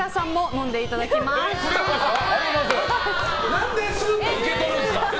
何ですっと受け取るんですか。